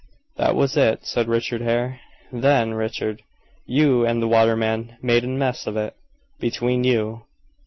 "That was it," said Richard Hare. "Then, Richard, you and the waterman made a mess of it between you.